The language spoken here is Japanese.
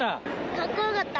かっこよかった。